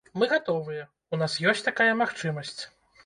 Мы гатовыя, у нас ёсць такая магчымасць.